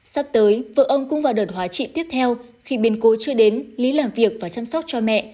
sắp tới vợ ông cũng vào đợt hóa trị tiếp theo khi biên cố chưa đến lý làm việc và chăm sóc cho mẹ